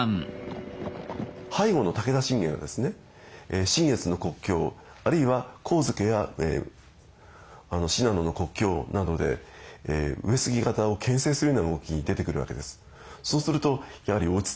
背後の武田信玄がですね信越の国境あるいは上野や信濃の国境などで上杉方をけん制するような動きに出てくるわけです。